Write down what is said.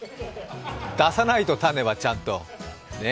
出さないと、種はちゃんと、ね。